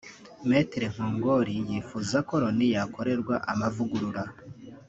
Me Nkongoli yifuza ko Loni yakorerwa amavugurura